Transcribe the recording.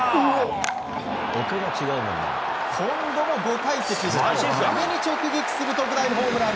今度は５階席の壁に直撃する特大ホームラン！